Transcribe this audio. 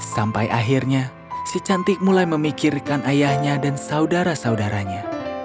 sampai akhirnya si cantik mulai memikirkan ayahnya dan saudara saudaranya